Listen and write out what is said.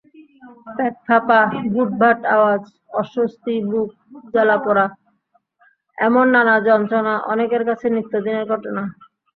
পেট ফাঁপা, ভুটভাট আওয়াজ, অস্বস্তি, বুক জ্বালাপোড়া—এমন নানা যন্ত্রণা অনেকের কাছে নিত্যদিনের ঘটনা।